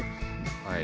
はい。